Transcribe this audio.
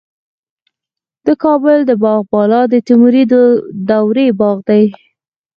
د کابل د باغ بالا د تیموري دورې باغ دی